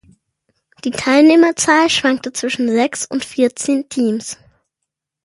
Die Teilnehmerzahl schwankte zwischen sechs und vierzehn Teams.